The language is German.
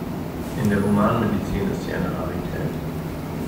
In der Humanmedizin ist sie eine Rarität.